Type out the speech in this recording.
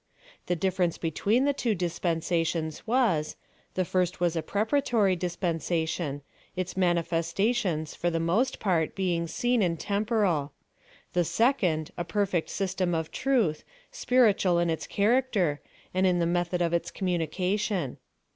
The difference between the two dispensations was, the first was a preparatory dispensation, its manifesta tions, for the most part, being seen, and temporal : the second, a perfect system of truth, spiritual in its chnracter, and in the method of its communication.